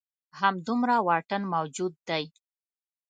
همدومره واټن موجود دی.